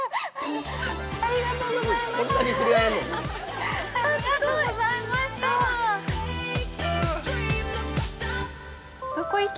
ありがとうございましたっ。